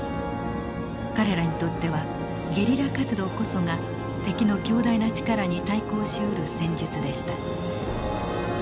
彼らにとってはゲリラ活動こそが敵の強大な力に対抗しうる戦術でした。